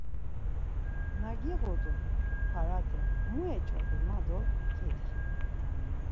Na giğut̆u parate mu eç̌opi, ma do p̌ǩitxi.